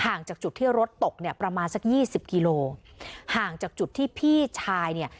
จากจุดที่รถตกเนี่ยประมาณสักยี่สิบกิโลห่างจากจุดที่พี่ชายเนี่ย